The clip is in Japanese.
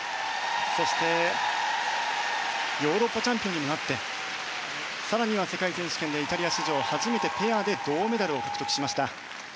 そしてヨーロッパチャンピオンになって更には世界選手権でイタリア史上初めてペアで銅メダルを獲得しました。